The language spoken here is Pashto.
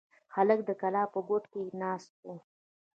هلک د کلا په کوټه کې ناست و.